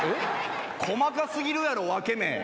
細か過ぎるやろ分け目。